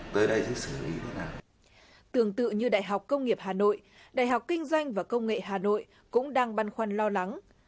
tương tự như đại học công nghiệp hà nội đại học kinh doanh và công nghệ hà nội cũng đang băn khoăn lo lắng